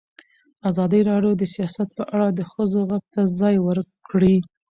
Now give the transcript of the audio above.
ازادي راډیو د سیاست په اړه د ښځو غږ ته ځای ورکړی.